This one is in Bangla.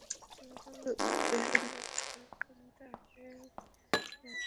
ফলাফল বেরোনোর ঘণ্টা দুয়েক আগে থেকেই রাজধানীর নটর ডেম কলেজে শিক্ষার্থীদের ভিড় বাড়ছিল।